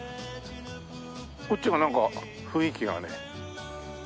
こっちがなんか雰囲気がね。